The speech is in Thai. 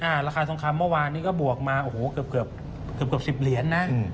ราคาทองคำเมื่อวานนี้ก็บวกมาโอ้โหเกือบเกือบสิบเหรียญนะ